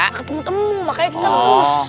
ketemu temu makanya kita ngus